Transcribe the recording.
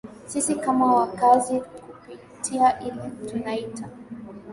sisi kama wakaazi kupitia ile tunaita